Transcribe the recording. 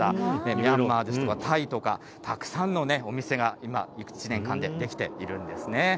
ミャンマーですとかタイとか、たくさんのお店が今、１年間で出来ているんですね。